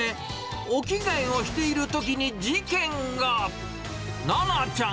お着替えをしているときに事件が。